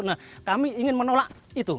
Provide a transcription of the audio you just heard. nah kami ingin menolak itu